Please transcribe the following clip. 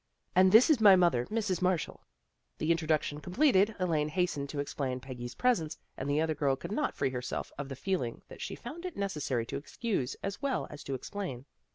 " And this is my mother, Mrs. Marshall." The introduction completed, Elaine hastened to explain Peggy's presence, and the other girl could not free herself of the feeling that she found it necessary to excuse as well as to ex plain.